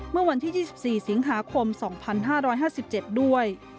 เมื่อวันที่๒๔สิงหาคม๒๕๕๗ด้วย